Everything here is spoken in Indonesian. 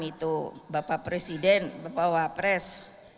itu bapak presiden bapak wapres